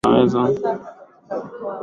na mfalme hamad idd ish al halfan